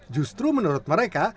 justru menurut mereka